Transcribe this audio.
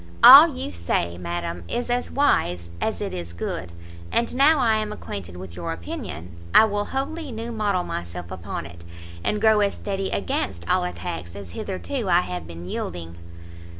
"All you say, madam, is as wise as it is good, and now I am acquainted with your opinion, I will wholly new model myself upon it, and grow as steady against all attacks as hitherto I have been yielding."